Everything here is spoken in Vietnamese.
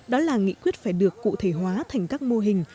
đó là nghị quyết phải được cụ thể hóa thành các mô hình